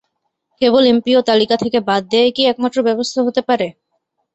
কেবল MPO তালিকা থেকে বাদ দেওয়াই কি একমাত্র ব্যবস্থা হতে পারে?